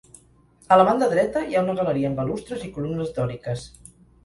A la banda dreta hi ha una galeria amb balustres i columnes dòriques.